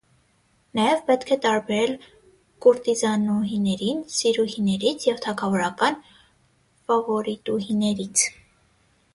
Նաև պետք է տարբերել կուրտիզանուհիներին սիրուհիներից և թագավորական ֆավորիտուհիներից։